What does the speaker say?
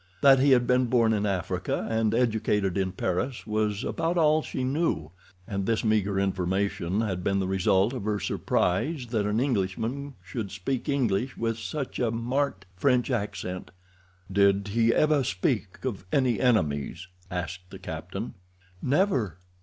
That he had been born in Africa and educated in Paris was about all she knew, and this meager information had been the result of her surprise that an Englishman should speak English with such a marked French accent. "Did he ever speak of any enemies?" asked the captain. "Never."